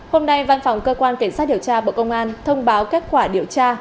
hôm nay văn phòng cơ quan kiểm soát điều tra bộ công an thông báo kết quả điều tra